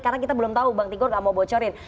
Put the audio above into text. karena kita belum tahu bang tenggor nggak mau bocorin